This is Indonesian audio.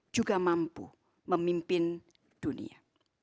juga mampu memimpin dunia